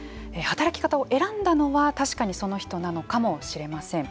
働き方を選んだのは確かにその人なのかもしれません。